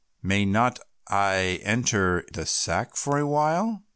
May not I also enter the sack for a while?"